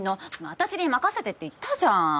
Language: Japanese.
私に任せてって言ったじゃん！